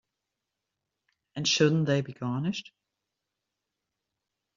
And shouldn't they be garnished?